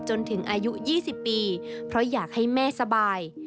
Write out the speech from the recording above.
จนถึงอายุ๒๐ปีเพราะอยากให้แม่สบาย